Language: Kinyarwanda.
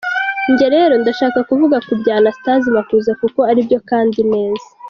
Jye rero ndashaka kuvuga kubya Anastase Makuza kuko aribyo kandi neza.